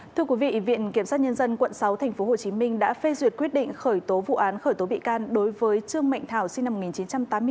thưa quý vị viện kiểm sát nhân dân quận sáu tp hcm đã phê duyệt quyết định khởi tố vụ án khởi tố bị can đối với trương mạnh thảo sinh năm một nghìn chín trăm tám mươi bốn